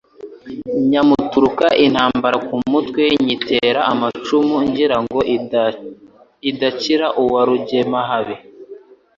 Nyamuturuka intamabara ku mutwe, Nyitera amacumu ngira ngo idakira uwa Rugemahabi,